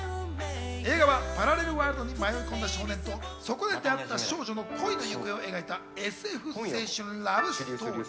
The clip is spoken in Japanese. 映画はパラレルワールドに迷い込んだ少年とそこで出会った少女の恋の行方を描いたＳＦ青春ラブストーリー。